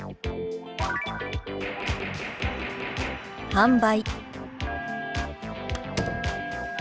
「販売」。